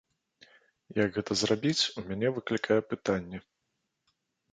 Як гэта зрабіць, у мяне выклікае пытанні.